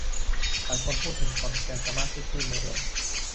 หลายคนพูดถึงขอนแก่นสมาร์ตซิตี้โมเดล